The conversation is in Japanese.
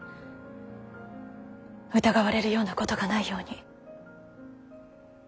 疑われるようなことがないように。